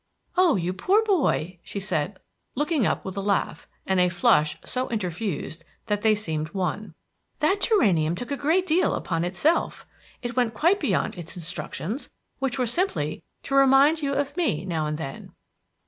"Oh, you poor boy!" she said, looking up with a laugh, and a flush so interfused that they seemed one, "that geranium took a great deal upon itself. It went quite beyond its instructions, which were simply to remind you of me now and then.